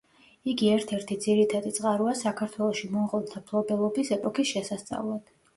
იგი ერთ-ერთი ძირითადი წყაროა საქართველოში მონღოლთა მფლობელობის ეპოქის შესასწავლად.